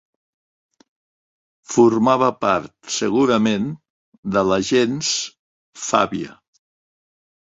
Formava part segurament de la gens Fàbia.